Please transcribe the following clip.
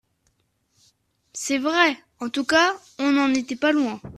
C’est vrai ! En tout cas, on n’en était pas loin.